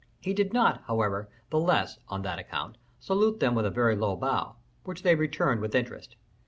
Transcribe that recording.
He did not, however, the less, on that account, salute them with a very low bow, which they returned with interest.